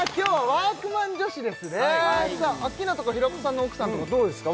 ワークマン女子ですねアッキーナとか平子さんの奥さんとかどうですか＃